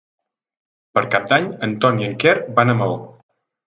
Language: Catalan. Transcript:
Per Cap d'Any en Ton i en Quer van a Maó.